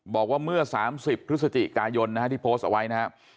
บอกว่าเมื่อ๓๐พฤศจิกายนที่โพสต์เอาไว้นะครับ